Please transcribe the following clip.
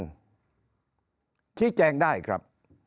ชี้แจงได้ครับ